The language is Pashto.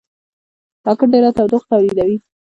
راکټ ډېره تودوخه تولیدوي